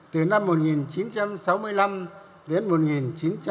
từ năm một nghìn chín trăm sáu mươi năm đến một nghìn chín trăm sáu mươi chín